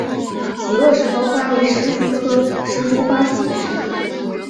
紫萼石头花为石竹科石头花属的植物。